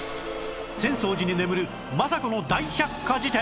浅草寺に眠る政子の大百科事典！